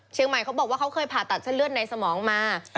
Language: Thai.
เขาบอกว่าเขาเคยผ่าตัดเส้นเลือดในสมองมา